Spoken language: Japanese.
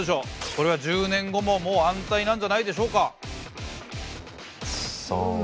これは１０年後ももう安泰なんじゃないでしょうか？